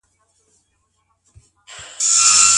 سياسي واک د ټاکنو له لاري لېږدول کېږي.